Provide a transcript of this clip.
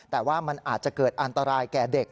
แต่ว่ามันอาจจะเกิดอันตรายแก่เด็ก